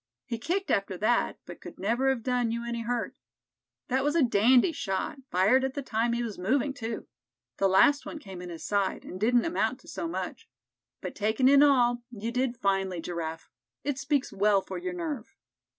He kicked after that, but could never have done you any hurt. That was a dandy shot, fired at the time he was moving, too. The last one came in his side, and didn't amount to so much. But taken in all, you did finely, Giraffe. It speaks well for your nerve."